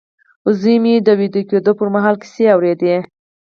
زوی مې د ويده کېدو پر مهال کيسې اورېدې.